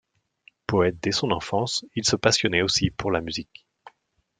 Poète dès son enfance, il se passionnait aussi pour la musique.